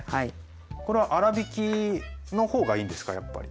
これは粗びきの方がいいんですかやっぱり。